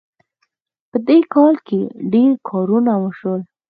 په دې کال کې ډېر کارونه وشول